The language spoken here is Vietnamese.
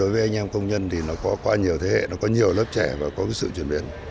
với anh em công nhân thì nó có qua nhiều thế hệ nó có nhiều lớp trẻ và có cái sự chuyển biến